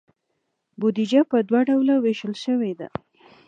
بودیجه په دوه ډوله ویشل شوې ده.